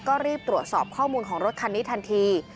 ก็รีบตรวจสอบข้อมูลของรถคันนี้ทันที